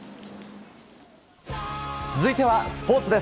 続いてはスポーツです。